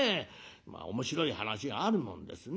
面白い話があるもんですね。